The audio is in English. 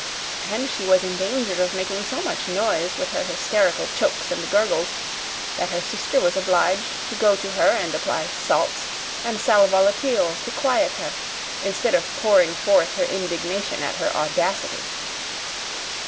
And she was in danger of making so much noise with her hysterical chokes and gurgles that her sister was obliged to go to her and apply salts and sal volatile to quiet her, instead of pouring forth her indignation at her audacity.